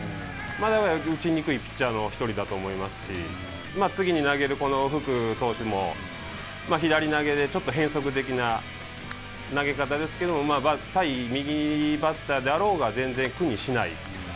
打ちにくいピッチャーの１人だと思いますし次に投げる福投手も左投げでちょっと変則的な投げ方ですけれども対右バッターであろうが全然苦にしない。